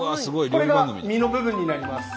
これが身の部分になります。